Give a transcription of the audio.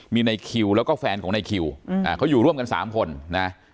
มีในคิวแล้วก็แฟนของในคิวเขาอยู่ร่วมกัน๓คนนะ